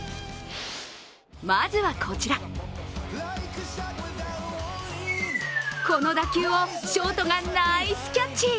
まずはこちら、この打球をショートがナイスキャッチ。